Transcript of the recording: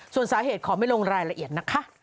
ส่วนสาเหตุขอไม่ลงรายละเอียดนะคะ